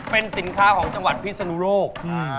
เป็นสินค้าของจังหวัดพิศนุโลก